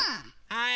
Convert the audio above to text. はい！